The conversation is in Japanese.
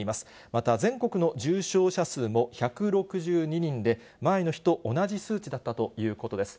また、全国の重症者数も１６２人で、前の日と同じ数値だったということです。